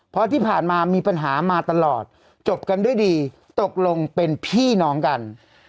เพราะที่ผ่านมามีปัญหามาตลอดจบกันด้วยดีตกลงเป็นพี่น้องกัน